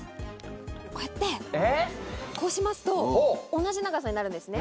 こうやってこうしますと同じ長さになるんですね。